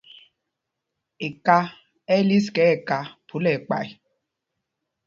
Eka ɛ́ ɛ́ lis ká nɛ ká phúla ɛkpay.